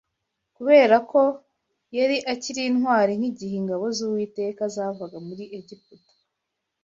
Kubera ko yari akiri intwari nk’igihe ingabo z’Uwiteka zavaga muri Egiputa